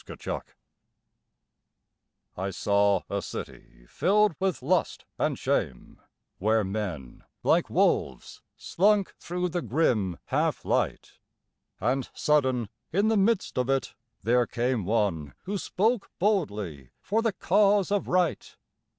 Anarchy I saw a city filled with lust and shame, Where men, like wolves, slunk through the grim half light; And sudden, in the midst of it, there came One who spoke boldly for the cause of Right.